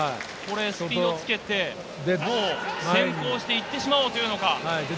スピードをつけて、先行していってしまおうというのか。